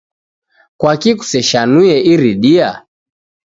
Kwaki kuseshanue iridia?